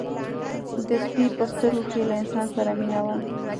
د سپي په سترګو کې له انسان سره مینه وه.